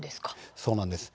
そうなんです。